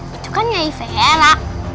itu kan nyai vera